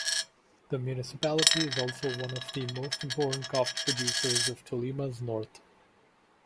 The municipality is also one of the most important coffee producers of Tolima's north.